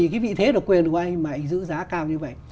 cái vị thế độc quyền của anh mà anh giữ giá cao như vậy